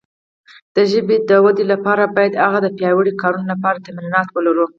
د ژبې د وده لپاره باید د هغه د پیاوړې کارونې لپاره تمرینات ولرو.